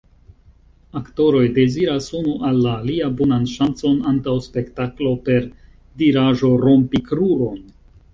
Aktoroj deziras unu al la alia bonan ŝancon antaŭ spektaklo per diraĵo "Rompi kruron!